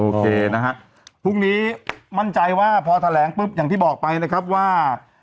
โอเคนะฮะพรุ่งนี้มั่นใจว่าพอแถลงปุ๊บอย่างที่บอกไปนะครับว่า